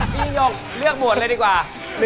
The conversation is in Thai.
ยกเลือกหมดเลยดีกว่า